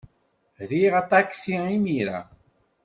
Riɣ aṭaksi imir-a.